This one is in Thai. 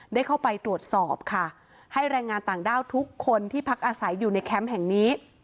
ได้เข้าไปตรวจสอบค่ะให้แรงงานต่างด้าวทุกคนที่พักอาศัยอยู่ในแคมป์แห่งนี้